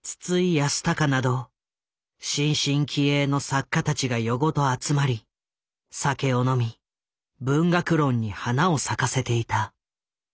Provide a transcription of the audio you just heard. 康隆など新進気鋭の作家たちが夜ごと集まり酒を飲み文学論に花を咲かせていた。